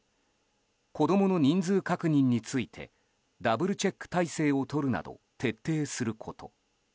子供の人数確認についてダブルチェック体制をとるなど徹底すること。